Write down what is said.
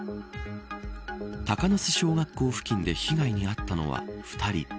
鷹巣小学校付近で被害に遭ったのは２人。